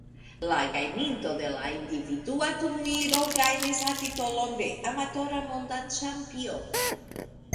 La gajninto de la individua turniro gajnis la titolon de Amatora Monda Ĉampiono.